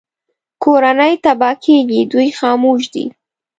کورنۍ تباه کېږي دوی خاموش دي